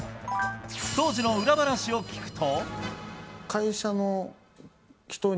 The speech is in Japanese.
当時の裏話を聞くと。